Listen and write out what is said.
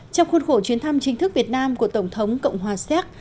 trong khuôn khổ chuyến thăm chính thức việt nam của tổng thống cộng hòa séc